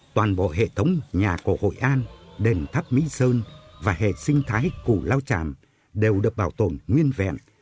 toàn bộ hệ thống nhà cổ hội an đền tháp mỹ sơn và hệ sinh thái củ lao tràm đều được bảo tồn nguyên vẹn